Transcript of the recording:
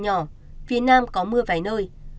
nhỏ phía nam có mưa vài nơi